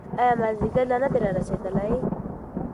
ایا مازیګر لا نه دی رارسېدلی؟